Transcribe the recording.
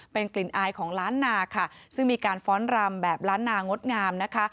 เป็นกลิ่นอายของล้านนาค่ะซึ่งมีการฟ้อนรำแบบล้านนางดงามนะคะ